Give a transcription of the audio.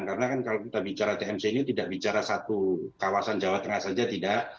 karena kan kalau kita bicara tmc ini tidak bicara satu kawasan jawa tengah saja tidak